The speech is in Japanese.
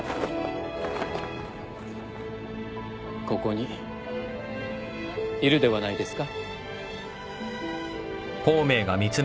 ここにいるではないですか。